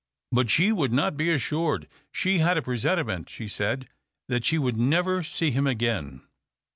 But she would not be assured. She had a presentiment, she said, that she would never see him again.